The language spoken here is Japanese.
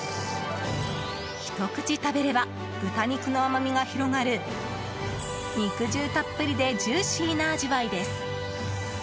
ひと口食べれば豚肉の甘みが広がる肉汁たっぷりでジューシーな味わいです。